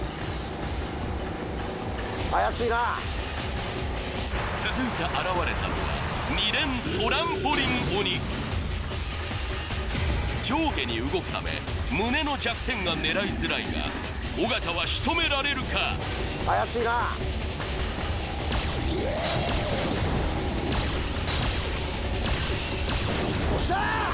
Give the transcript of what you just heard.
怪しいな続いて現れたのは２連トランポリン鬼上下に動くため胸の弱点が狙いづらいが尾形はしとめられるか怪しいなオッシャー！